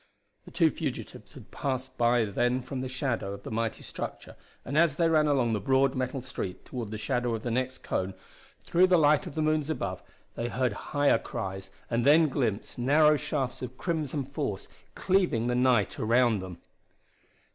The two fugitives had passed by then from the shadow of the mighty structure, and as they ran along the broad metal street toward the shadow of the next cone, through the light of the moons above, they heard higher cries and then glimpsed narrow shafts of crimson force cleaving the night around them.